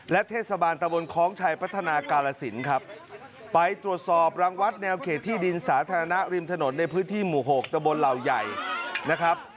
เทศบาลตะบนคล้องชัยพัฒนากาลสินครับไปตรวจสอบรังวัดแนวเขตที่ดินสาธารณะริมถนนในพื้นที่หมู่๖ตะบนเหล่าใหญ่นะครับ